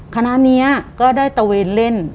คณะนี้ก็ได้ตะเวนเล่น